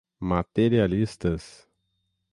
materialistas